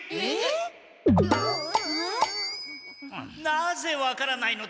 なぜ分からないのです。